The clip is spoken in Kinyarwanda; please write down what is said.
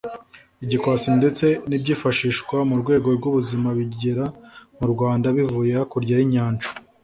igikwasi ndetse n’ibyifashishwa mu rwego rw’ubuzima bigera mu Rwanda bivuye hakurya y’inyanja